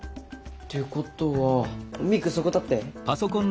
ってことはミクそこ立って。